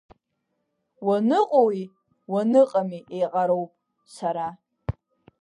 Уаныҟоуи уаныҟами еиҟароуп, сара…